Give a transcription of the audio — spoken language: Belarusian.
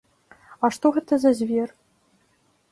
А што гэта за звер?